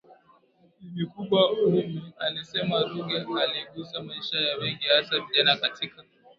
ni mikubwa Ummy alisema Ruge aligusa maisha ya wengi hasa vijana katika